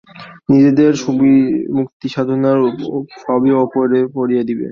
নিজেদের মুক্তিসাধনার সবই অপরে করিয়া দিবে।